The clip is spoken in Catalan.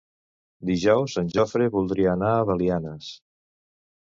Dijous en Jofre voldria anar a Belianes.